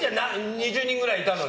２０人くらいいたのに。